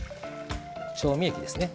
調味液ですね。